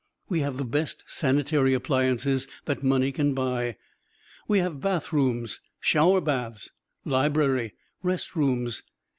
We have the best sanitary appliances that money can buy; we have bathrooms, shower baths, library, rest rooms.